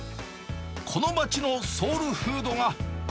この町のソウルフードが。